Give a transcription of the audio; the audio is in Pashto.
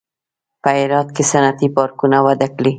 په هرات کې صنعتي پارکونه وده کړې